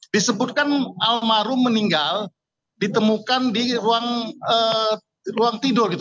disebutkan almarhum meninggal ditemukan di ruang tidur gitu